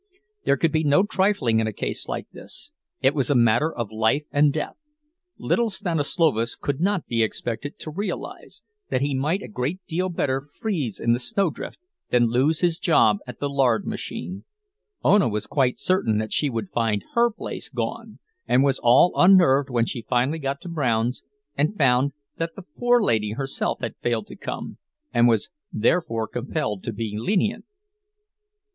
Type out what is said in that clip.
There could be no trifling in a case like this, it was a matter of life and death; little Stanislovas could not be expected to realize that he might a great deal better freeze in the snowdrift than lose his job at the lard machine. Ona was quite certain that she would find her place gone, and was all unnerved when she finally got to Brown's, and found that the forelady herself had failed to come, and was therefore compelled to be lenient.